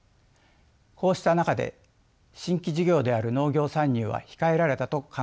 こうした中で新規事業である農業参入は控えられたと考えられます。